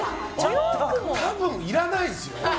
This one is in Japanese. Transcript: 多分いらないですよ。